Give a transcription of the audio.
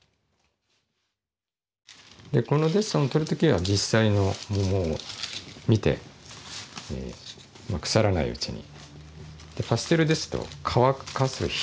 このデッサンをとる時は実際の桃を見て腐らないうちに。